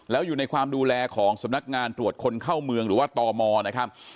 แล้วอยู่ในความดูแลของสำนักงานตรวจคนเข้าเมืองหรือว่าตมนะครับ